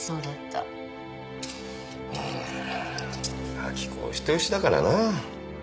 明子お人よしだからな。